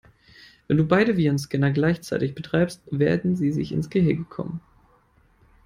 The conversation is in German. Wenn du beide Virenscanner gleichzeitig betreibst, werden sie sich ins Gehege kommen.